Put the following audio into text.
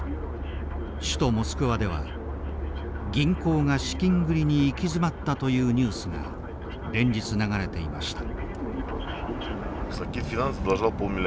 首都モスクワでは銀行が資金繰りに行き詰まったというニュースが連日流れていました。